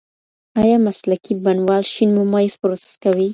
ایا مسلکي بڼوال شین ممیز پروسس کوي؟